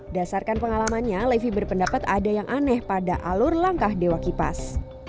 dasarkan pengalamannya levi berpendapat ada yang aneh pada alur langkah dewa kipas